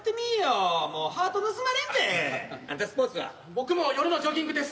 僕も夜のジョギングです。